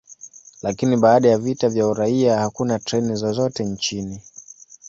Lakini baada ya vita vya uraia, hakuna treni zozote nchini.